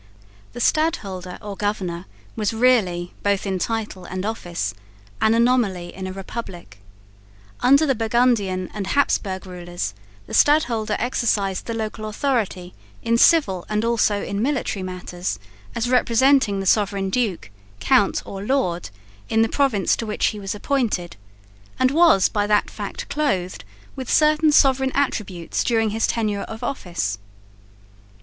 The Stadholder or governor was really, both in title and office, an anomaly in a republic. Under the Burgundian and Habsburg rulers the Stadholder exercised the local authority in civil and also in military matters as representing the sovereign duke, count or lord in the province to which he was appointed, and was by that fact clothed with certain sovereign attributes during his tenure of office.